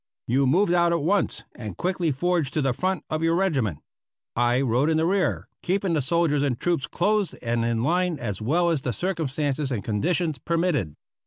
You moved out at once and quickly forged to the front of your regiment. I rode in rear, keeping the soldiers and troops closed and in line as well as the circumstances and conditions permitted.